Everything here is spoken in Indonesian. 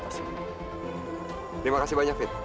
terima kasih banyak fit